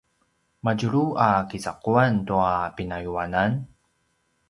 madjulu a kicaquan tua pinayuanan?